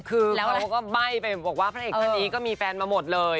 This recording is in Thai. คือเราก็ใบ้ไปบอกว่าพระเอกท่านนี้ก็มีแฟนมาหมดเลย